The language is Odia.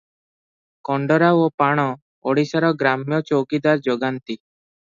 କଣ୍ଡରା ଓ ପାଣ ଓଡିଶାର ଗ୍ରାମ୍ୟ ଚୌକିଦାର ଯୋଗାନ୍ତି ।